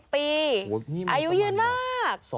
๑๕๐ปีอายุยืนมาก